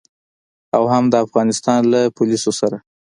او هم د افغانستان له پوليسو سره.